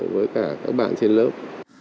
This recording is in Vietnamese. với cả các bạn trên lớp